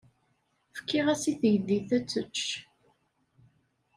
Fkiɣ-as i teydit ad tečč.